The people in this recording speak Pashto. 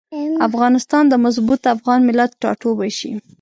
افغانستان د مضبوط افغان ملت ټاټوبی شي.